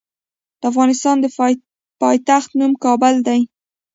د افغانستان د پايتخت نوم کابل دی.